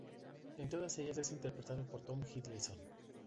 En todas ellas es interpretado por Tom Hiddleston.